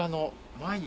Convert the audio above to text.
前に？